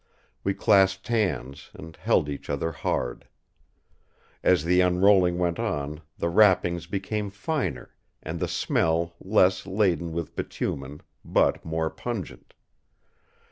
We clasped hands, and held each other hard. As the unrolling went on, the wrappings became finer, and the smell less laden with bitumen, but more pungent.